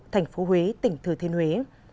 thành phố huế tỉnh thứ thiên huế